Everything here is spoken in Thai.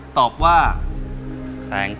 กิเลนพยองครับ